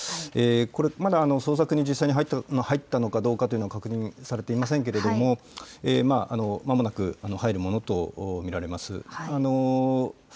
これ、まだ捜索に実際に入ったのかどうかというのは、確認されていませんけれども、まもなく入るものと見られます。